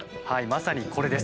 まさにこれです。